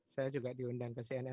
saya juga diundang ke cnn